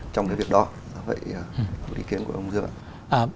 trong cái việc đó do vậy ý kiến của ông dương ạ